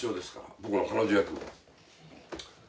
僕の彼女役。